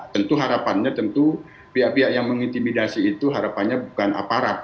tentu harapannya tentu pihak pihak yang mengintimidasi itu harapannya bukan aparat